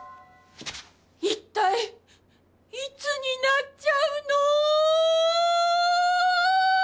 いったいいつになっちゃうの！